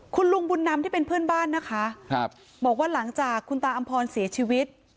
คุณลุงบุญนำที่เป็นเพื่อนบ้านนะคะบอกว่าหลังจากคุณตาอำพรเสียชีวิต